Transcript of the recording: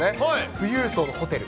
富裕層のホテル。